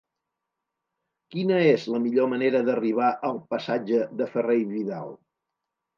Quina és la millor manera d'arribar al passatge de Ferrer i Vidal?